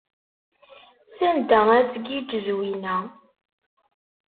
Sanda ad tgiǧǧ Zwina?